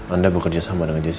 anda bekerja sama dengan jessi